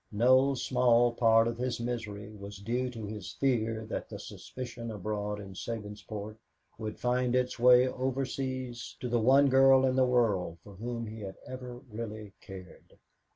No small part of his misery was due to his fear that the suspicion abroad in Sabinsport would find its way overseas to the one girl in the world for whom he had ever really cared.